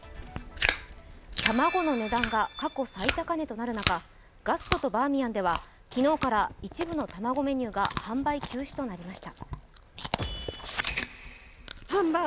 卵の値段が過去最高値となる中、ガストとバーミヤンでは昨日から一部の卵メニューが販売休止となりました。